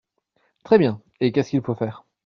Très bien !… et qu’est-ce qu’il faut faire ?